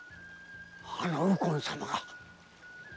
あの右近様が！